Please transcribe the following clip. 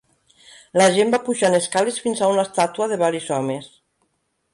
La gent va pujant escales fins a una estàtua de varis homes.